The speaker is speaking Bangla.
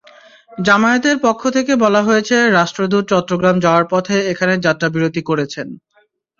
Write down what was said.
জামায়াতের পক্ষ থেকে বলা হয়েছে, রাষ্ট্রদূত চট্টগ্রাম যাওয়ার পথে এখানে যাত্রাবিরতি করেছেন।